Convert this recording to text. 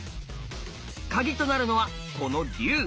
カギとなるのはこの龍！